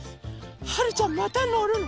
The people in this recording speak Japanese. はるちゃんまたのるの？